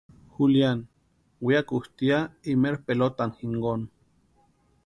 Juliani weakutʼi ya imeri pelotani jinkoni.